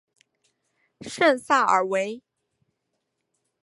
圣萨尔维。